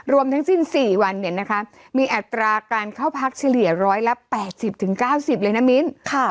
รวมทั้งสิ้น๔วันมีอัตราการเข้าพักเฉลี่ย๑๘๐๙๐เลยนะมิ้น